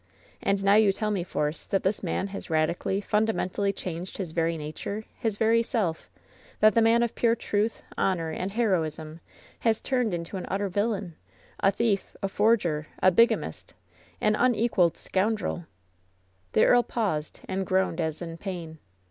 And now you tell me. Force, that this man has radically, fundamentally changed his very nature — ^his very self — that the man of pure truth, honor and heroism has turned into an utter villain — ^a thief, a forger, a biga mist, an unequaled scoundrel 1" The earl paused and groaned as in pain.